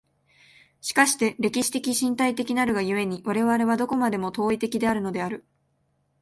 しかして歴史的身体的なるが故に、我々はどこまでも当為的であるのである。